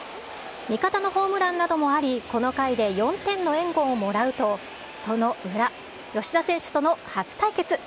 味方のホームランなどもあり、この回で４点の援護をもらうと、その裏。吉田選手との初対決。